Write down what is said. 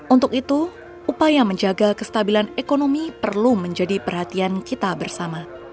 untuk itu upaya menjaga kestabilan ekonomi perlu menjadi perhatian kita bersama